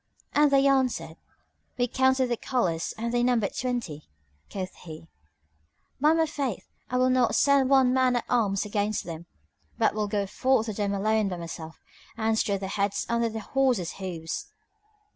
And they answered, "We counted the colours and they numbered twenty." Quoth he, "By my faith, I will not send one man at arms against them, but will go forth to them alone by myself and strew their heads under the horses' hooves!"